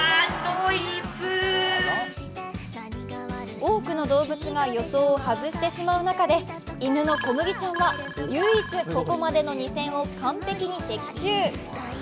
多くの動物が予想を外してしまう中で犬のコムギちゃんは唯一、ここまでの２戦を完璧に的中。